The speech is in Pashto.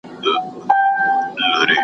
هر یو توری د غزل مي له مغان سره همزولی .